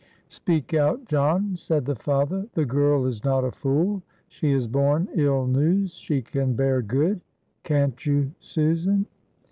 "Speak out, John," said the father, "the girl is not a fool. She has borne ill news, she can bear good. Can't you, Susan?"